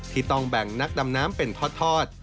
ต้องแบ่งนักดำน้ำเป็นทอด